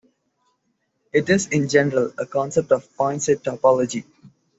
It is in general, a concept of point-set topology.